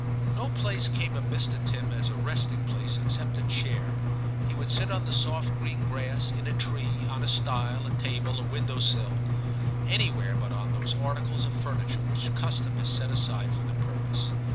No place came amiss to Tim as a resting place except a chair; he would sit on the I TIM 7 soft green grass, in a tree, on a stile, a table, a window sill, — anywhere but on those articles of furniture which custom has set aside for the purpose.